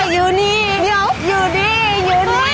อยู่นี่เดี๋ยวอยู่นี่อยู่นี่